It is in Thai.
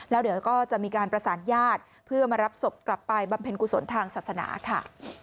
แล้วเดี๋ยวก็จะมีการประสานญาติเพื่อมารับศพกลับไปบำเพ็ญกุศลทางศาสนาค่ะ